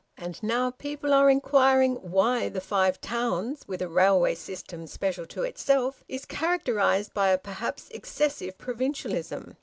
And now, people are inquiring why the Five Towns, with a railway system special to itself, is characterised by a perhaps excessive provincialism.